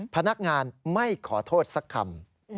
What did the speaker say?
พนักงานไม่ขอโทษสักคำ